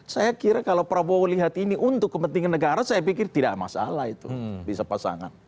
saya kira kalau prabowo lihat ini untuk kepentingan negara saya pikir tidak masalah itu bisa pasangan